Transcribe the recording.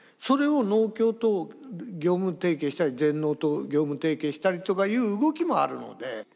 それを農協と業務提携したり全農と業務提携したりとかいう動きもあるので。